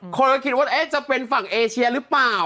คนก็คิดว่าจะเป็นฝั่งเอเชียหรือเปล่า